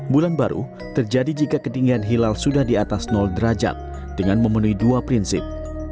bulan baru terjadi jika ketinggian hilal sudah di atas derajat dengan memenuhi dua prinsip